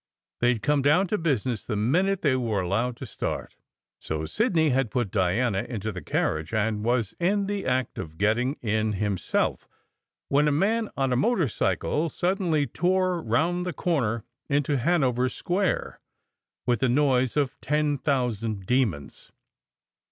They d come down to business the minute they were allowed to start. So Sidney had put Diana into the carriage and was in the act of getting in himself, when a man on a motor cycle suddenly tore round the corner into Hanover Square with the noise of ten thousand demons.